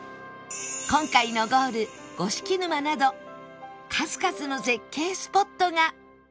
今回のゴール五色沼など数々の絶景スポットが！